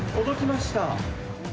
届きました。